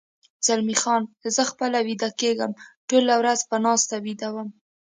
زلمی خان: زه خپله ویده کېږم، ټوله ورځ په ناسته ویده وم.